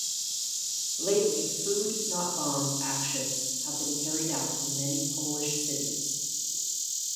Lately Food Not Bombs actions have been carried out in many Polish cities.